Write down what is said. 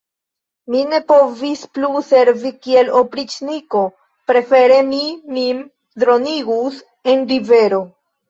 Mi ne povis plu servi kiel opriĉniko: prefere mi min dronigus en rivero.